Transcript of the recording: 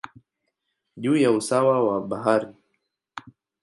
juu ya usawa wa bahari.